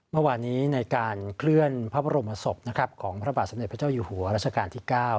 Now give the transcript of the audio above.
เมื่อวานี้ในการเคลื่อนพระบารสมมุติพระเจ้าอยู่หัวราชการที่เกล้า